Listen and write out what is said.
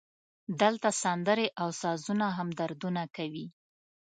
دلته سندرې او سازونه هم دردونه کوي